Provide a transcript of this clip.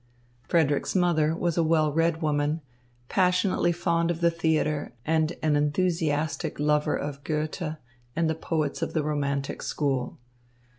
Frederick's mother was a well read woman, passionately fond of the theatre and an enthusiastic lover of Goethe and the poets of the romantic school.